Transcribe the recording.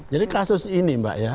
jadi kasus ini mbak ya